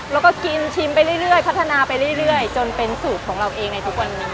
แล้วก็กินชิมไปเรื่อยพัฒนาไปเรื่อยจนเป็นสูตรของเราเองในทุกวันนี้